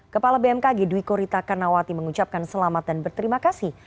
kepala bmkg dwi korita karnawati mengucapkan selamat dan berterima kasih